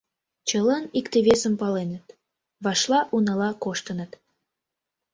Чылан икте-весым паленыт, вашла унала коштыныт.